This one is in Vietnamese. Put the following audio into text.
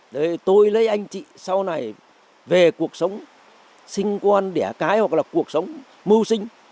để tôi lấy anh chị sau này về cuộc sống sinh con đẻ cái hoặc là cuộc sống mưu sinh